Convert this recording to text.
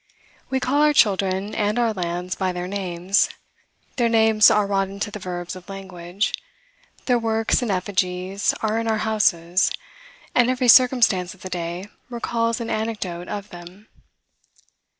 We call our children and our lands by their names. Their names are wrought into the verbs of language, their works and effigies are in our houses, and every circumstance of the day recalls an anecdote of them.